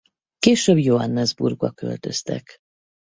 Később Johannesburgba költöztek.